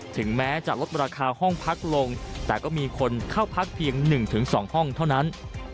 ถึงแม้จะลดราคาห้องพักลงแต่ก็มีคนเข้าพักเพียง๑๒ห้องเท่านั้น